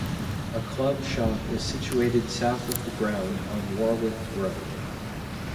A club shop is situated south of the ground on Warwick Road.